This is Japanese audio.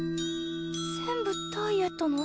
全部ダイエットの？